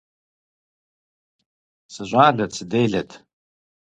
СыщӀалэт, сыделэт.